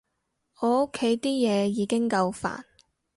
我屋企啲嘢已經夠煩